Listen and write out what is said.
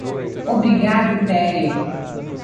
Obrigado Pere.